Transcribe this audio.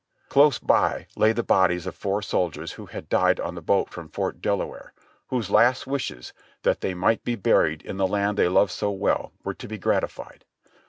Close by lay the bodies of four soldiers who had died on the boat from Fort Delaware, whose last wishes, "that they might be buried in the land they loved so well," were to be gratified.